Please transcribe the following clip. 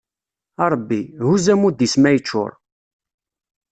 A Ṛebbi, huzz ammud-is ma iččuṛ!